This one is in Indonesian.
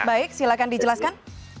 baik silakan dijelaskan